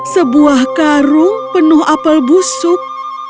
sebuah karung penuh apel busuk